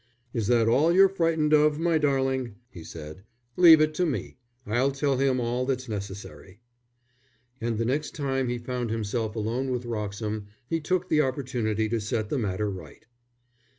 "Is that all you're frightened of, my darling?" he said. "Leave it to me. I'll tell him all that's necessary." And the next time he found himself alone with Wroxham, he took the opportunity to set the matter right.